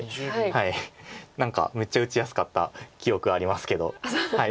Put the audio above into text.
何かめっちゃ打ちやすかった記憶ありますけど。